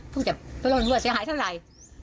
พูดอย่างนี้เพิ่งจะโปรดร่วมเสียหายเท่าไหร่